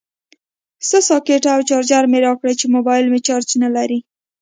سه ساکټه او چارجر مې راکړئ چې موبایل مې چارج نلري